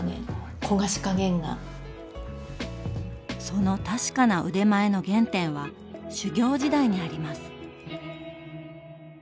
その確かな腕前の原点は修業時代にあります。